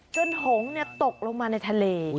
จนหงศ์ตกลงมาในทะเล